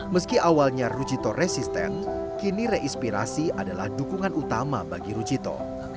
meski awalnya rujito resisten kini reinspirasi adalah dukungan utama bagi rujito